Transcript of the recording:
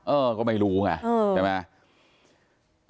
เออก็ไม่รู้ไงใช่ไหม